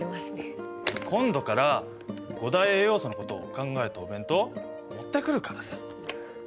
今度から五大栄養素のことを考えたお弁当持ってくるからさ！